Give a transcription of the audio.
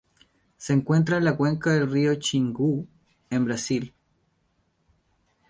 Se encuentra en la cuenca del río Xingú, en Brasil.